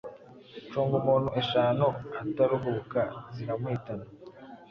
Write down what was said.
Cungumuntu eshanu ataruhuka ziramuhitan